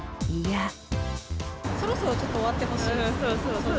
そろそろちょっと終わってほそうそう。